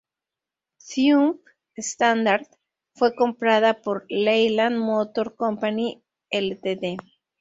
Triumph-Standard fue comprada por Leyland Motor Corporation Ltd.